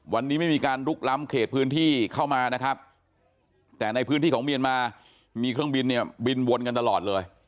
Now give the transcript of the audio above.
วันนี้ไม่มีการลุกล้ำเขตพื้นที่เข้ามานะครับแต่ในพื้นที่ของเมียนมามีเครื่องบินเนี่ยบินวนกันตลอดเลย